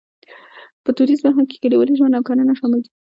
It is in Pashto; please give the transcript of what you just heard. په دودیزه برخه کې کلیوالي ژوند او کرنه شامل دي.